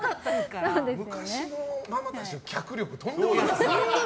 昔のママたちの脚力とんでもないですから。